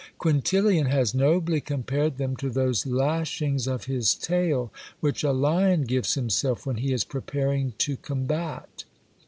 Quintilian has nobly compared them to those lashings of his tail which a lion gives himself when he is preparing to combat.